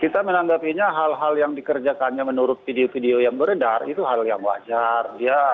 kita menanggapinya hal hal yang dikerjakannya menurut video video yang beredar itu hal yang wajar